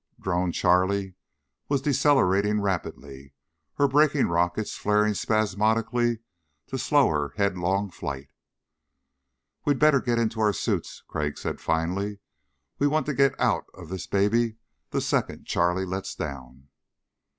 Drone Charlie was decelerating rapidly, her braking rockets flaring spasmodically to slow her headlong flight. "We'd better get into our suits," Crag said finally. "We want to get out of this baby the second Charlie lets down."